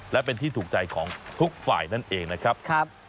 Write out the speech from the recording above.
และเป็นที่ถูกใจของทุกฝ่ายนั่นเองนะครับ